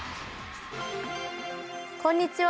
こんにちは。